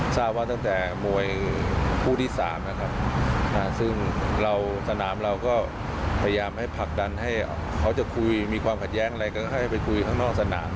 ทราบว่าตั้งแต่มวยคู่ที่๓นะครับซึ่งเราสนามเราก็พยายามให้ผลักดันให้เขาจะคุยมีความขัดแย้งอะไรก็ให้ไปคุยข้างนอกสนาม